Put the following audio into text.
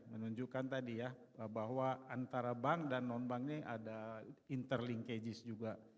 menunjukkan tadi ya bahwa antara bank dan non bank ini ada interling cagis juga